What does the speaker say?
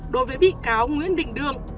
đối với bị cáo nguyễn đình đương